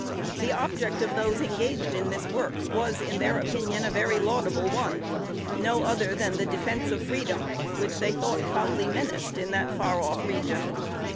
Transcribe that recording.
The object of those engaged in this work was, in their opinion, a very laudable one, no other than the defence of freedom, which they thought foully menaced in that far off region.